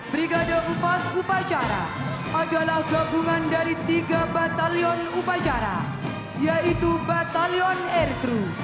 brigade empat upacara adalah gabungan dari tiga batalion upacara yaitu batalion aircrew